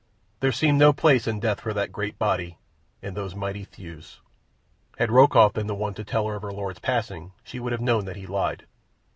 There seemed no place in death for that great body and those mighty thews. Had Rokoff been the one to tell her of her lord's passing she would have known that he lied.